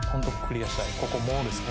ここもですね。